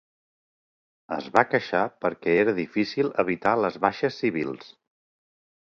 Es va queixar perquè era difícil evitar les baixes civils.